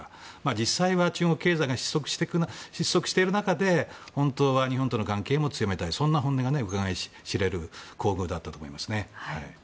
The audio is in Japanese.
実際は中国経済が失速している中で本当は日本との関係も強めたいという本音も、うかがい知れる厚遇だったと思います。